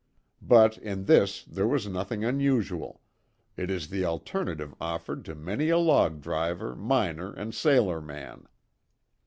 But in this there was nothing unusual; it is the alternative offered to many a log driver, miner, and sailor man.